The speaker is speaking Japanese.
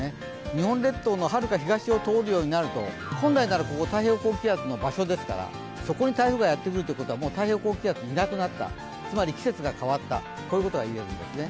日本列島のはるか東を通るようになると、本来ならここ、太平洋高気圧の場所ですからそこに台風がやってくるということは太平洋高気圧がいなくなった、つまり季節が変わったということが言えるんですね。